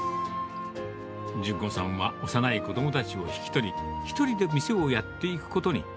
順子さんは幼い子どもたちを引き取り、１人で店をやっていくことに。